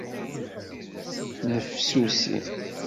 Nnefsusi